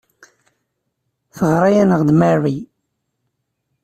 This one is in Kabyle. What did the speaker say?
Teɣra-aneɣ-d Mary.